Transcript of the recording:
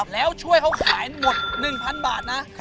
แล้วช่วยเขาขายหมด๑๐๐๐บาทนะ